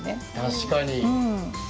確かに。